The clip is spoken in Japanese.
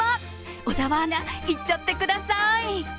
小沢アナ、いっちゃってください！